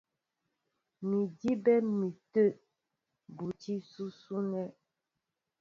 Mǐ' ó dibɛ mi tə̂ buti ǹsʉsʉ nɛ́.